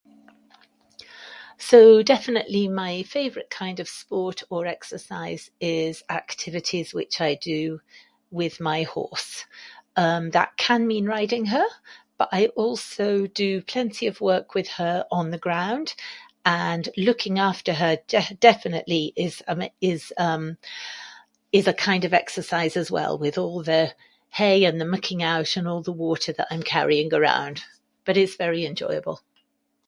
So, definitely my favorite kind of sport or exercise is activities which I do with my horse. Um, that can mean riding her, but I also do plenty of work with her on the ground. And looking after her de- definitely is a, is, um, a kind of exercise as well, with all the hay and the mucking out and all the water that I'm carrying around. But, it's very enjoyable.